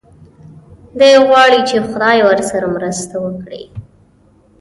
دی غواړي چې خدای ورسره مرسته وکړي.